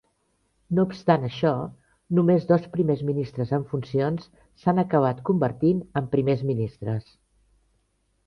No obstant això, només dos primers ministres en funcions s'han acabat convertint en primers ministres.